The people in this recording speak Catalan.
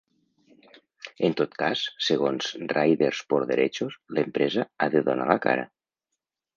En tot cas, segons ‘RidersxDerechos’ l’empresa ‘ha de donar la cara’.